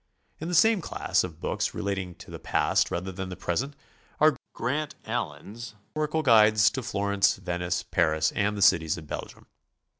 In the same class, of boo ks relating to the past rather than the present, are Grant Allen's Historical Guides to Florence, Venice, Paris and the cities of Belgium.